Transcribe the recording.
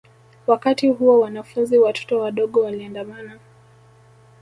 Wakati huo wanafunzi watoto wadogo waliandamana